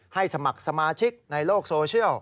สมัครสมาชิกในโลกโซเชียล